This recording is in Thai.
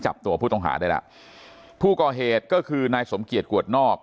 จับตัวผู้ต้องหาได้แล้วผู้ก่อเหตุก็คือนายสมเกียจกวดนอก